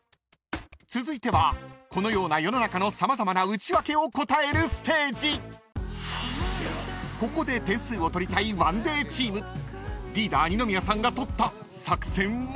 ［続いてはこのような世の中の様々なウチワケを答えるステージ］［ここで点数を取りたいＯＮＥＤＡＹチーム］［リーダー二宮さんが取った］